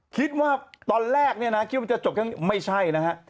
คิดว่าตอนแรกเนี่ยนะคิดว่าจะจบแค่นี้ไม่ใช่นะฮะ